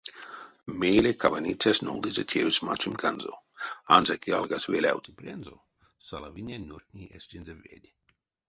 Мейле каваницясь нолдызе тевс манчемканзо — ансяк ялгась велявтсы прянзо, салавине нуртни эстензэ ведь.